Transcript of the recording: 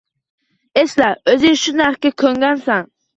Esla, o‘zing shu narxga ko‘ngansan.